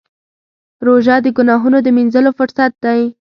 روژه د ګناهونو د مینځلو فرصت دی.